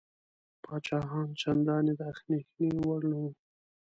پاچاهان چنداني د اندېښنې وړ نه وه.